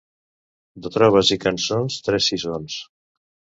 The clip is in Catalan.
De trobes i cançons, tres sisons.